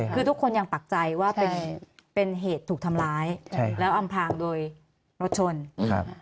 คือทุกคนยังปักใจว่าเป็นเป็นเหตุถูกทำร้ายใช่แล้วอำพางโดยรถชนครับ